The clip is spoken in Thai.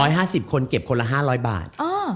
๕๐คนเก็บคนละ๕๐๐บาท